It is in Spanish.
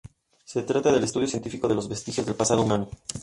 Se trata del estudio científico de los vestigios del pasado humano.